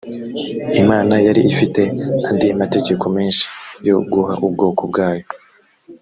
imana yari ifite andi mategeko menshi yo guha ubwoko bwayo